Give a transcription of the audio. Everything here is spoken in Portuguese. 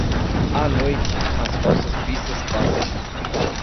À noite, as falsas pissas passam.